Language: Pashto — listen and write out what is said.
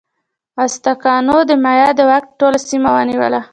ازتکانو د مایا د واک ټوله سیمه ونیوله.